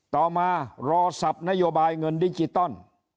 ต่อมารอสับนโยบายเงินดิจิตอล